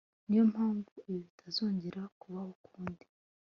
Niyo mpamvu ibi bitazongera kubaho ukundi